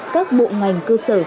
các bộ ngành cơ sở